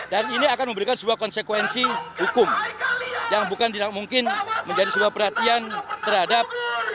dan ini akan memberikan sebuah konsekuensi hukum yang bukan tidak mungkin menjadi sebuah perhatian terhadap